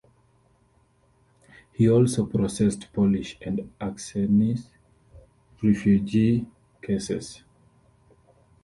He also processed Polish and Acehnese refugee cases.